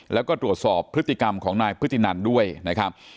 แล้วก็ตรวจสอบพฤติกรรมของนายพฤตินันด้วยนะครับ